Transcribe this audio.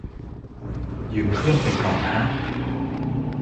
ยืมเพื่อนไปก่อนฮะ